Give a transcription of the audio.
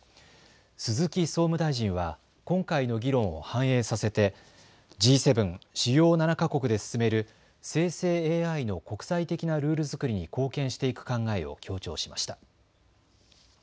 鈴木総務大臣は今回の議論を反映させてＧ７・主要７か国で進める生成ＡＩの国際的なルール作りに貢献していく考えを強調しました。